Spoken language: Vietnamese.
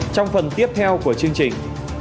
trong phần tiếp theo của chương trình